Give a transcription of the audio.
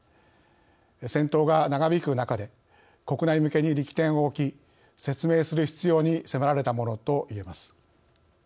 戦闘が長引く中で国内向けに力点を置き説明する必要に迫られたものといえます。